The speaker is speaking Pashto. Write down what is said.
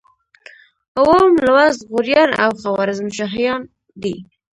اووم لوست غوریان او خوارزم شاهان دي.